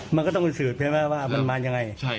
มันก็ต้องเป็นสื่อแผนแม่ว่ามันมายังไง